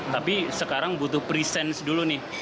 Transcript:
tapi sekarang butuh presence dulu nih